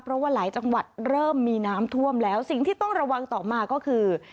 เพราะว่าหลายจังหวัดเริ่มมีน้ำท่วมแล้วสิ่งที่ต้องระวังต่อมาก็คือ